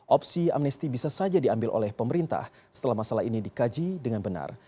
opsi amnesti bisa saja diambil oleh pemerintah setelah masalah ini dikaji dengan benar